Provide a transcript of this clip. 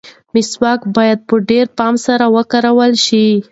مسواک باید په ډېر پام سره وکارول شي.